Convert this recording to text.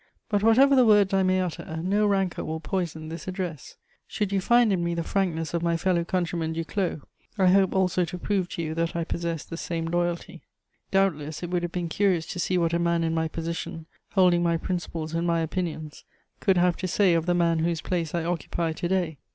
But, whatever the words I may utter, no rancour will poison this address. Should you find in me the frankness of my fellow countryman Duclos, I hope also to prove to you that I possess the same loyalty. "Doubtless it would have been curious to see what a man in my position, holding my principles and my opinions, could have to say of the man whose place I occupy to day.